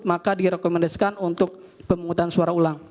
maka direkomendasikan untuk pemungutan suara ulang